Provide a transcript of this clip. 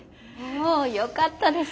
およかったです